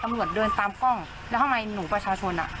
ตำรวจเดินตามกล้องแล้วทำไมหนูประชาชนอ่ะ